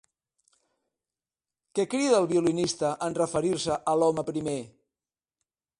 Què crida el violinista en referir-se a l'home primer?